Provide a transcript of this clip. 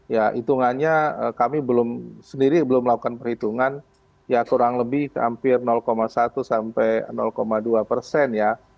ya hitungannya kami belum sendiri belum melakukan perhitungan ya kurang lebih hampir satu sampai dua persen ya